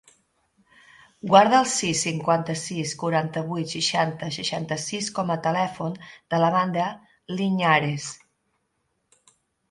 Guarda el sis, cinquanta-sis, quaranta-vuit, seixanta, seixanta-sis com a telèfon de l'Amanda Liñares.